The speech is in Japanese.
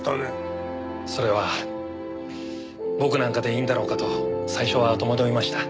それは僕なんかでいいんだろうかと最初は戸惑いました。